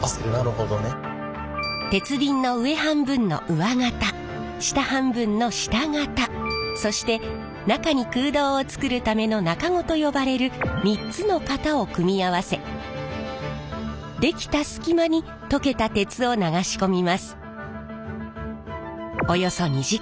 鉄瓶の上半分の上型下半分の下型そして中に空洞を作るための中子と呼ばれる３つの型を組み合わせできた隙間に溶けた鉄を流し込みます。